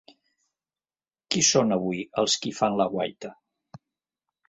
Qui són avui els qui fan la guaita?